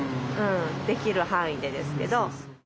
できる範囲でですけど。